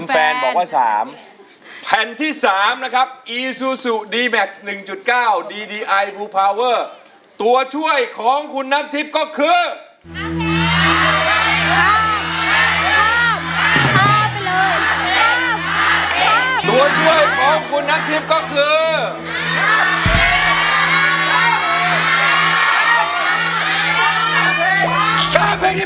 ถ้าเพลงนี้เป็นอะไรหมายความว่าคุณน้ำทิพย์นะครับไม่ต้องร้องเพลงที่๗นี้